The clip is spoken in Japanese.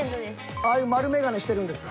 ああいう丸眼鏡してるんですか？